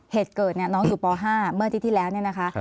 เหตุเกิดนี่น้องอยู่ป๕เมื่อที่ที่แล้วนี่นะคะ